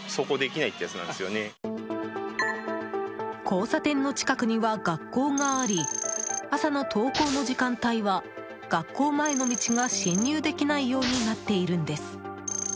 交差点の近くには学校があり朝の登校の時間帯は学校前の道が進入できないようになっているんです。